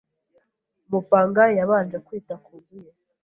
Umupangayi yabanje kwita ku nzu ye.